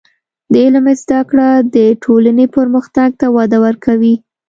د علم زده کړه د ټولنې پرمختګ ته وده ورکوي.